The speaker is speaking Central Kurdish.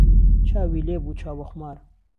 چاوی لێ بوو چاو به خومار